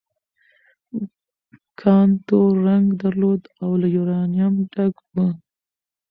کان تور رنګ درلود او له یورانیم ډک و.